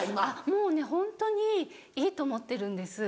もうねホントにいいと思ってるんです。